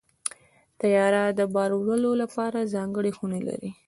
طیاره د بار وړلو لپاره ځانګړې خونې لري.